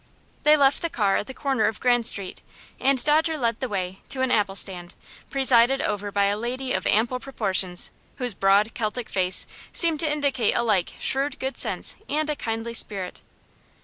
They left the car at the corner of Grand Street, and Dodger led the way to an apple stand, presided over by a lady of ample proportions, whose broad, Celtic face seemed to indicate alike shrewd good sense and a kindly spirit.